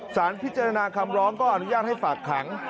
สารพิจารณาคำร้องก็อนุญาตให้ฝากขัง